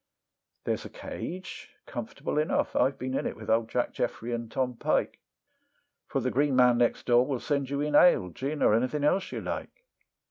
There's a cage, comfortable enough; I've been in it with Old Jack Jeffery and Tom Pike; For the Green Man next door will send you in ale, gin, or anything else you like.